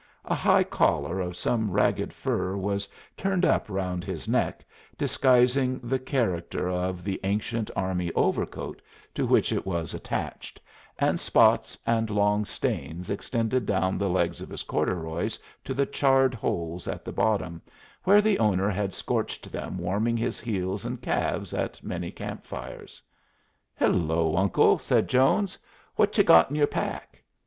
A high collar of some ragged fur was turned up round his neck, disguising the character of the ancient army overcoat to which it was attached, and spots and long stains extended down the legs of his corduroys to the charred holes at the bottom, where the owner had scorched them warming his heels and calves at many camp fires. "Hello, uncle," said Jones. "What y'u got in your pack?"